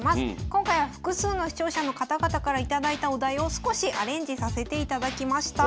今回は複数の視聴者の方々から頂いたお題を少しアレンジさせていただきました。